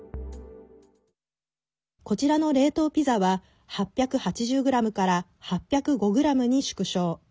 こちらの冷凍ピザは８８０ｇから８０５ｇに縮小。